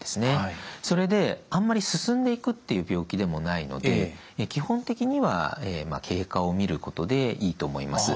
それであんまり進んでいくっていう病気でもないので基本的には経過を見ることでいいと思います。